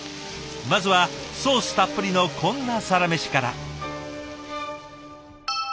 まずはソースたっぷりのこんなサラメシから。